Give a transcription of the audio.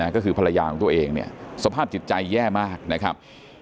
ก็คือภรรยาของตัวเองเนี่ยสภาพจิตใจแย่มากนะครับ